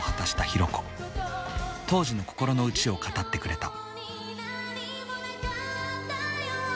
当時の心の内を語ってくれた。